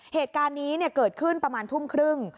เหตุการณ์นี้เกิดขึ้นประมาณทุ่มครึ่ง